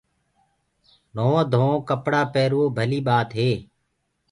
نهونٚ ڌوڪي ڪپڙآ پيروو ڀلي ٻآت هي